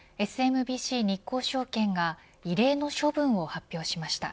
ＳＭＢＣ日興証券が異例の処分を発表しました。